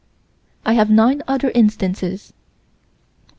I have nine other instances.